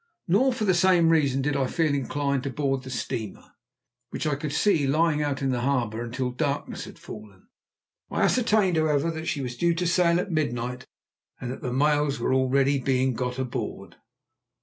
Nor for the same reason did I feel inclined to board the steamer, which I could see lying out in the harbour, until darkness had fallen. I ascertained, however, that she was due to sail at midnight, and that the mails were already being got aboard.